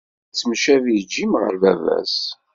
Yettemcabi Jim ɣer baba-s.